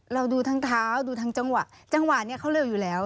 เราดูทางเท้าดูทั้งจังหวะจังหวะนี้เขาเร็วอยู่แล้ว